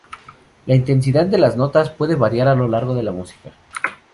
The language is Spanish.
La intensidad de las notas puede variar a lo largo de una música.